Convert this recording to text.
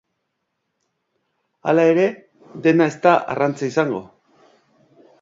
Hala ere, dena ez da arrantza izango.